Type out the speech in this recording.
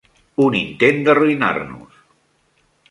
Un intent d'arruïnar-nos!